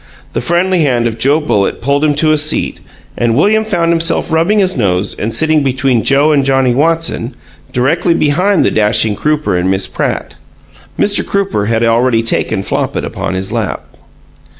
The friendly hand of Joe Bullitt pulled him to a seat, and William found himself rubbing his nose and sitting between Joe and Johnnie Watson, directly behind the dashing Crooper and Miss Pratt. Mr. Crooper had already taken Flopit upon his lap.